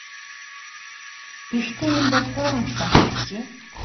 Гэхдээ энэ бол хуурамч баг байжээ.